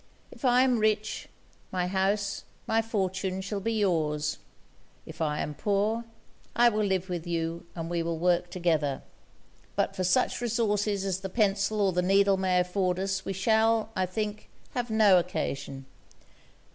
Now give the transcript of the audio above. If I am rich, my house, my fortune shall be your's if I am poor, I will live with you, and we will work together. But for such resources as the pencil or the needle may afford us, we shall, I think, have no occasion.